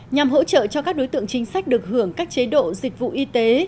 nhằm hỗ trợ cho các đối tượng chính sách được hưởng các chế độ dịch vụ y tế